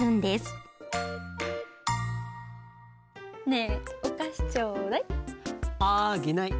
ねえお菓子ちょうだい。